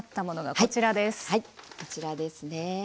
はいこちらですね。